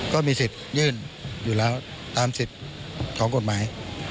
ก็มีสิทธิ์ยื่นอยู่แล้วตามสิทธิ์ของกฎหมาย